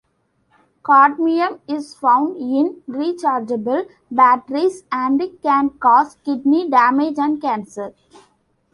Cadmium is found in rechargeable batteries and can cause kidney damage and cancer.